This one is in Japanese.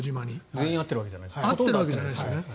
全員会ってるわけじゃないですね。